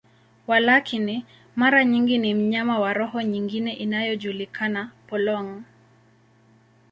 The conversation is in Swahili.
Walakini, mara nyingi ni mnyama wa roho nyingine inayojulikana, polong.